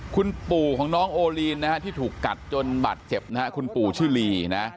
คุณปู่ของน้องโอลีนนะฮะที่ถูกกัดจนบาดเจ็บนะฮะคุณปู่ชื่อลีนะ